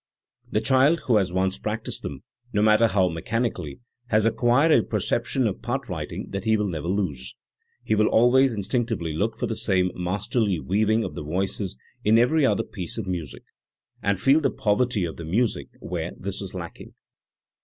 The child who has once practised them, no matter how mechanically, has acquired a perception of part writing that he will never lose. He will always in stinctively look for the same masterly weaving of the voices in every other piece of music, and feel the poverty of the music where this is lacking.